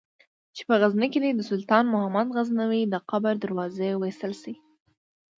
چې په غزني کې دې د سلطان محمود غزنوي د قبر دروازې وایستل شي.